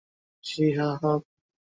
উনাকে অ্যাম্বাসেডর ভেবেছিলাম বুঝলে!